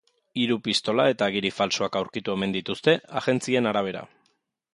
Hiru pistola eta agiri faltsuak aurkitu omen dituzte, agentzien arabera.